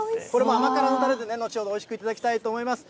これも甘辛のたれで後ほどおいしく頂きたいと思います。